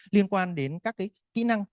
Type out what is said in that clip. liên quan đến các cái kĩ năng